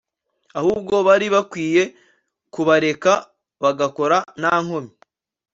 ahubwo bari bakwiye kubareka bagakora nta nkomyi